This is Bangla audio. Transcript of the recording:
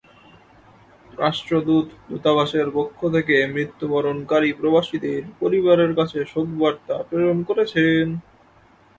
রাষ্ট্রদূত দূতাবাসের পক্ষ থেকে মৃত্যুবরণকারী প্রবাসীদের পরিবারের কাছে শোকবার্তা প্রেরণ করেছেন।